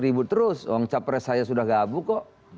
ribut terus orang capres saya sudah gabung kok